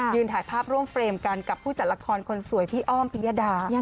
ถ่ายภาพร่วมเฟรมกันกับผู้จัดละครคนสวยพี่อ้อมพิยดา